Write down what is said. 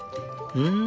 うん！